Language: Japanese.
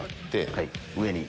はい上に。